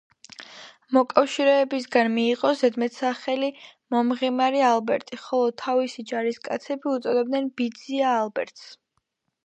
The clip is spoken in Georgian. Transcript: მოკავშირეებისგან მიიღო ზედმეტსახელი „მომღიმარი ალბერტი“, ხოლო თავისი ჯარისკაცები უწოდებდნენ „ბიძია ალბერტს“.